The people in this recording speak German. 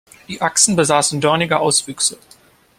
Die Achsen besaßen dornige Auswüchse.